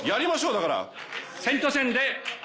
だから。